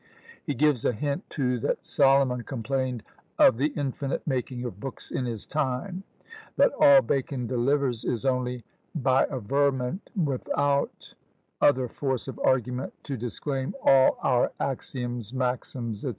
He gives a hint too that Solomon complained "of the infinite making of books in his time;" that all Bacon delivers is only "by averment without other force of argument, to disclaim all our axioms, maxims, &c.